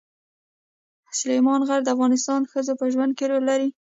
سلیمان غر د افغان ښځو په ژوند کې رول لري.